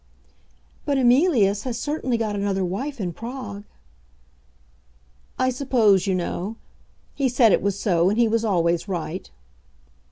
"But Emilius has certainly got another wife in Prague." "I suppose you know. He said it was so, and he was always right."